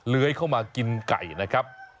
เลื้อยเข้ามากินไก่นะครับ